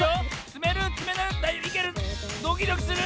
ドキドキする！